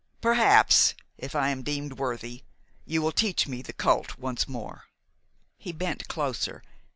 Perhaps, if I am deemed worthy, you will teach me the cult once more." He bent closer.